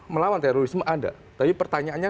melawan terorisme ada tapi pertanyaannya